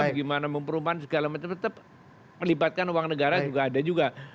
bagaimana memperumahan segala macam tetap melibatkan uang negara juga ada juga